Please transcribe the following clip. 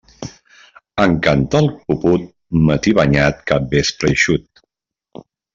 En cantar el puput, matí banyat, capvespre eixut.